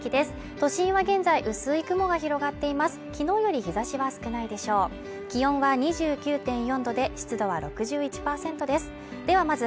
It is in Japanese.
都心は現在、薄い雲が広がっています。